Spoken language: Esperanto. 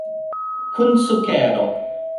Kun sukero.